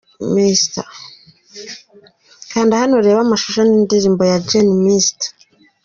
Kanda hano urebe amashusho y’indirimbo ‘Jeanne’ ya Mr.